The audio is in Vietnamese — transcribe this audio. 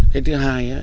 cái thứ hai